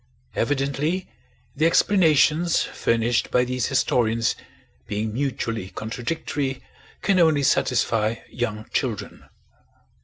Evidently the explanations furnished by these historians being mutually contradictory can only satisfy young children.